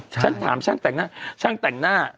ฉันถามช่างแต่งหน้า